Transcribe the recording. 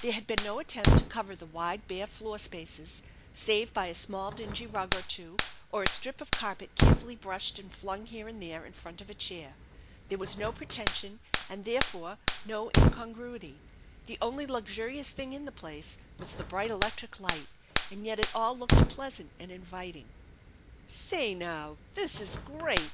There had been no attempt to cover the wide bare floor spaces, save by a small dingy rug or two or a strip of carpet carefully brushed and flung here and there in front of a chair. There was no pretension and therefore no incon gruity. The only luxurious thing in the place was the bright electric light, and yet it all looked pleasant and inviting. " Say, now, this is great